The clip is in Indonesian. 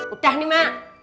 udah nih mma